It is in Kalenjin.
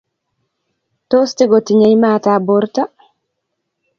Tos, tigotinyei maatab borto?